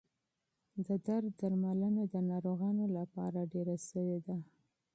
د درد درملنه د ناروغانو لپاره ډېره شوې ده.